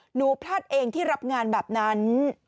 หนูพลาดเองที่รับงานแบบนั้น